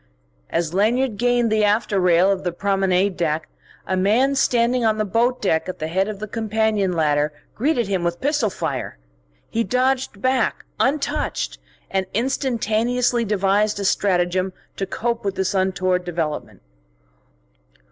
As Lanyard gained the after rail of the promenade deck a man standing on the boat deck at the head of the companion ladder greeted him with pistol fire. He dodged back, untouched, and instantaneously devised a stratagem to cope with this untoward development.